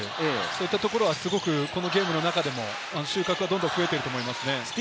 そういったところはすごくこのゲームの中でも収穫がどんどん増えていると思います。